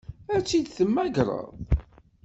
Ad tt-id-temmagreḍ?